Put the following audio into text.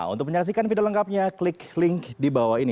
untuk menyaksikan video lengkapnya klik link di bawah ini